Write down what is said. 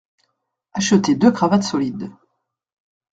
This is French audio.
Acheter deux cravates solides.